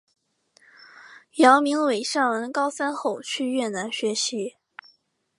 姚明伟上完高三后去越南学习。